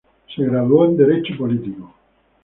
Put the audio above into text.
Se graduó en derecho político.